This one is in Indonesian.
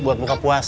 buat buka puasa